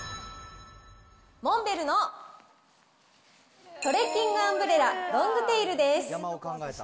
モンベルのトレッキングアンブレラロングテイルです。